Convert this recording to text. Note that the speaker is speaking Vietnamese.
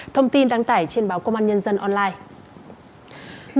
thông tin đăng tải trên báo công an nhân dân online